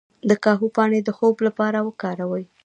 د کاهو پاڼې د خوب لپاره وکاروئ